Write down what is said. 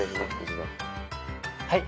はい。